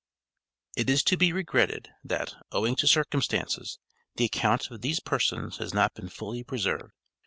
It is to be regretted that, owing to circumstances, the account of these persons has not been fully preserved.